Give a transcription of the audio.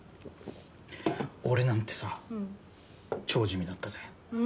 俺なんてさ、超地味だったぜ。